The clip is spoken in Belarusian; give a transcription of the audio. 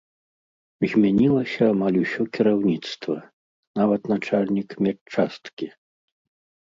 Змянілася амаль усё кіраўніцтва, нават начальнік медчасткі.